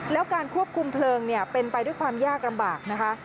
แล้วการควบคุมเพลิงเป็นไปด้วยความยากลำบากนะคะ